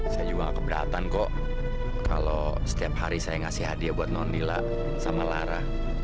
saya juga keberatan kok kalau setiap hari saya ngasih hadiah buat non dila sama lara